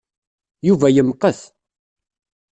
Yuba yemqet.